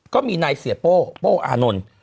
ก็มีนายเสียโป้โป้อานนท์